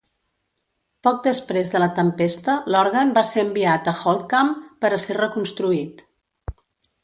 Poc després de la tempesta, l'òrgan va ser enviat a Holtkamp per a ser reconstruït.